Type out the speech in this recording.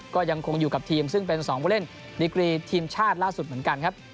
ก็ยังคงอยู่กับทีมซึ่งเป็น๒ผู้เล่นดีกรีทีมชาติล่าสุดเหมือนกันครับ